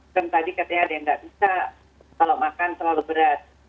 kan tadi katanya ada yang nggak bisa kalau makan terlalu berat